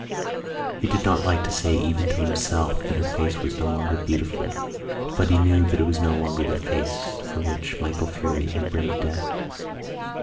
He did not like to say even to himself that her face was no longer beautiful but he knew that it was no longer the face for which Michael Furey had braved death.